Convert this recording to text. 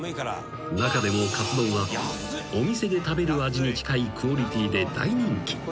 ［中でもカツ丼はお店で食べる味に近いクオリティーで大人気］